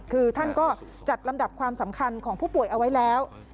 คือท่านก็จัดลำดับความสำคัญของผู้ป่วยเอาไว้แล้ว